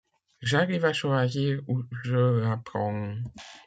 j'arrive à choisir où je la prends.